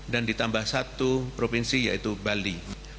dan ditambah satu provinsi yaitu bali